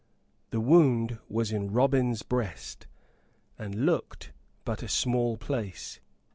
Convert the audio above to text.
The wound was in Robin's breast, and looked but a small place.